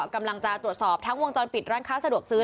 กำลังจะตรวจสอบทั้งวงจรปิดร้านค้าสะดวกซื้อ